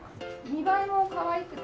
見栄えもかわいくて。